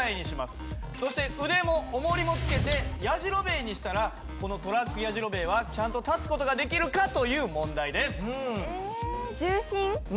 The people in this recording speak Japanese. そして腕もおもりも付けてやじろべえにしたらこのトラックやじろべえはちゃんと立つ事ができるかという問題です。